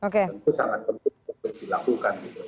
tentu sangat penting untuk dilakukan